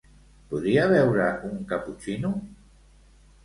Podria beure un caputxino?